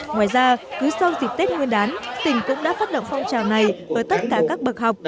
ngoài ra cứ sau dịp tết nguyên đán tỉnh cũng đã phát động phong trào này với tất cả các bậc học